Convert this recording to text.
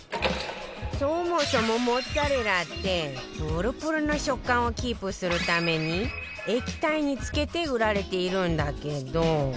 そもそもモッツァレラってプルプルな食感をキープするために液体につけて売られているんだけど